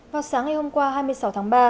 vào sáng ngày hôm qua hai mươi sáu tháng ba